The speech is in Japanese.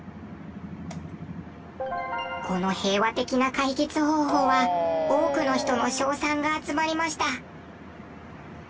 この平和的な解決方法は多くの人の称賛が集まりました。